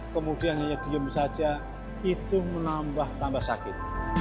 kemudian hanya diem saja itu menambah tambah sakit